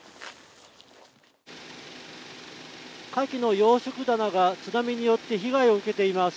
カキの養殖棚が津波によって被害を受けています。